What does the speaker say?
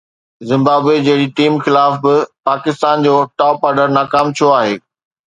Zimbabwe جهڙي team خلاف به پاڪستان جو ٽاپ آرڊر ناڪام ڇو آهي؟